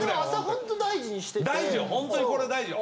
ホントにこれ大事よ。